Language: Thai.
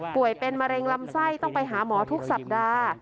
เป็นมะเร็งลำไส้ต้องไปหาหมอทุกสัปดาห์